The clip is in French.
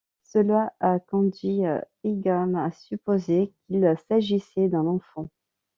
Cela a conduit Higham à supposer qu'il s'agissait d'un enfant.